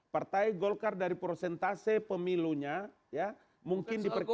partai golkar dari prosentase pemilunya ya mungkin diperkuat